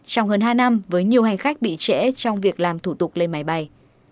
trong hơn hai năm với nhiều hành khách bị trễ trong việc làm thủ tục lên máy bay